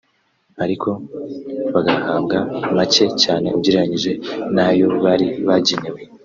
ariko bagahabwa make cyane ugereranyije n’ayo bari bagenewe